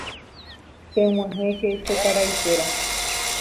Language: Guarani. peg̃uahẽke che karaikuéra